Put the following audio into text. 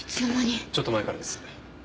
ちょっと前からです。